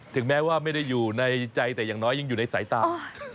ถึงแม้ว่าไม่ได้อยู่ในใจแต่อย่างน้อยยังอยู่ในสายตา